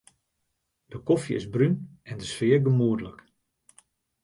De kofje is brún en de sfear gemoedlik.